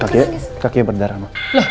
kakak kakak berdarah mbak